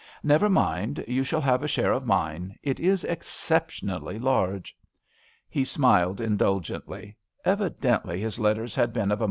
Never mind, you shall have a share of mine — it is ex ceptionally large." He smiled indulgently. Evi dently his letters had been of a A RAINY DAY.